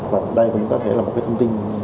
và đây cũng có thể là một thông tin